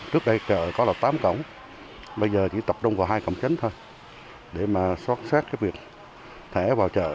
trước đây chợ có là tám cổng bây giờ chỉ tập đông vào hai cổng chấn thôi để mà xót xét cái việc thẻ vào chợ